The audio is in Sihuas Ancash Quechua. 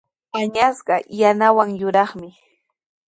Añasqa yanawan yuraqmi.